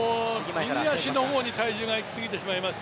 右足の方に体重が行きすぎてしまいます。